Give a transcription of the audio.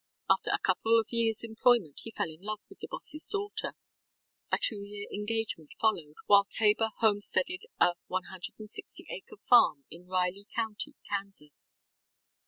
After a couple of yearsŌĆÖ employment he fell in love with the bossŌĆÖs daughter. A two year engagement followed while Tabor homesteaded a 160 acre farm in Riley County, Kansas.